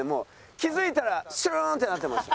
気づいたらスルーンってなってました。